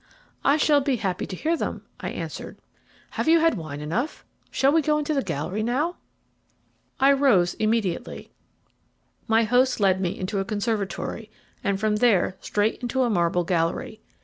"I shall be happy to hear them," I answered. "Have you had wine enough? Shall we go into the gallery now?" I rose immediately. My host led me into a conservatory, and from there straight into a marble gallery.